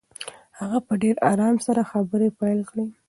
هغه په ډېر آرام سره خبرې پیل کړې.